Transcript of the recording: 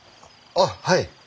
あっはい。